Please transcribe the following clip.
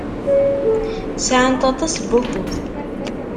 Sɛant aṭas n wakud.